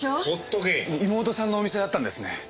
義妹さんのお店だったんですね。